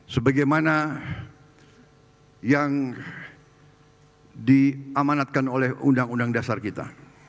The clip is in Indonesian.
sebagaimana yang diamanatkan oleh undang undang dasar kita